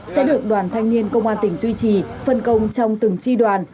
sẽ được đoàn thanh niên công an tỉnh duy trì phân công trong từng tri đoàn